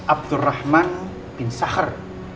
abdulrahman bin syahr